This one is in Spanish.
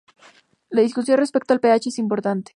La discusión respecto al pH es importante.